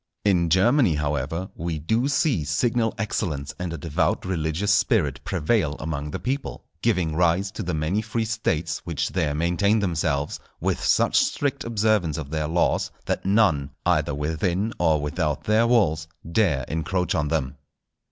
In Germany, however, we do see signal excellence and a devout religious spirit prevail among the people, giving rise to the many free States which there maintain themselves, with such strict observance of their laws that none, either within or without their walls, dare encroach on them.